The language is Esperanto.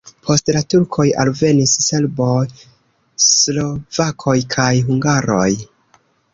Post la turkoj alvenis serboj, slovakoj kaj hungaroj.